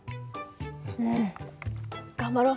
うん頑張ろう。